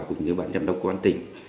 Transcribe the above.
cùng với bản nhập đốc của bản tỉnh